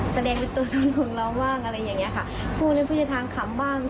แสดงเป็นตัวสนุนของน้องบ้างอะไรอย่างเงี้ยค่ะพูดให้พูดในทางขำบ้าง